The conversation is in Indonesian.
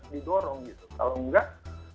didorong gitu kalau enggak